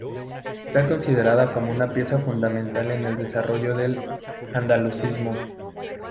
Está considerada como una pieza fundamental en el desarrollo del andalucismo.